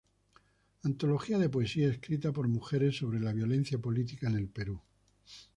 Antología de poesía escrita por mujeres sobre la violencia política en el Perú.